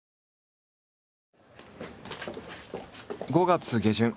５月下旬。